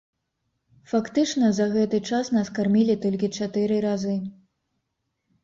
Фактычна за гэты час нас кармілі толькі чатыры разы.